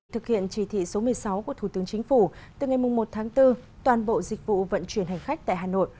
thực hiện chỉ thị số một mươi sáu của thủ tướng chính phủ từ ngày một tháng bốn toàn bộ dịch vụ vận chuyển hành khách tại hà nội